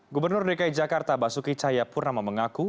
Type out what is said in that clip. gubernur dki jakarta basuki cahaya purnama mengaku